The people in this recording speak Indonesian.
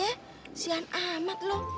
kesian amat lu